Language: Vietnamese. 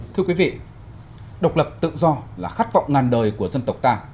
thưa quý vị độc lập tự do là khát vọng ngàn đời của dân tộc ta